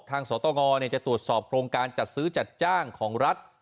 สตงจะตรวจสอบโครงการจัดซื้อจัดจ้างของรัฐ